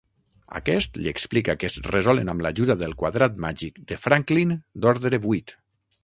Aquest li explica que es resolen amb l'ajuda del Quadrat Màgic de Franklin d'ordre vuit.